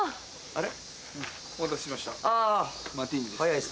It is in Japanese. あれ？